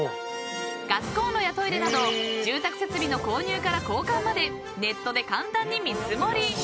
［ガスこんろやトイレなど住宅設備の購入から交換までネットで簡単に見積もり］